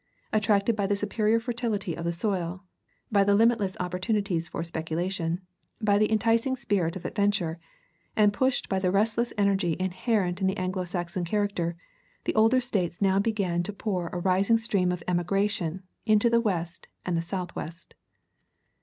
Attracted by the superior fertility of the soil, by the limitless opportunities for speculation, by the enticing spirit of adventure, and pushed by the restless energy inherent in the Anglo Saxon character, the older States now began to pour a rising stream of emigration into the West and the South west.